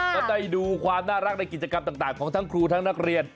ก็ได้ดูความน่ารักในกิจกรรมต่างของทั้งครูทั้งนักเรียน